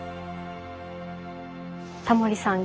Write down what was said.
タモリさん